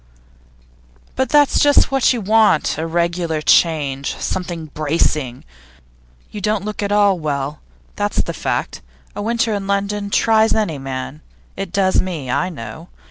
'But that's just what you want a regular change, something bracing. You don't look at all well, that's the fact. A winter in London tries any man it does me, I know.